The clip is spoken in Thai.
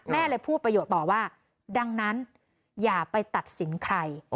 แม่เลยพูดประโยชน์ต่อว่าดังนั้นอย่าไปตัดสินใคร